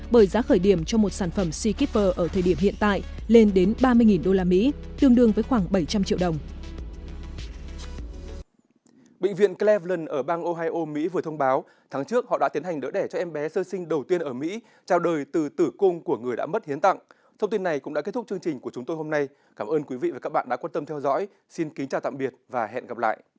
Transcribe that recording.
bởi giá khởi điểm cho một sản phẩm sea keeper ở thời điểm hiện tại lên đến ba mươi usd tương đương với khoảng bảy trăm linh triệu đồng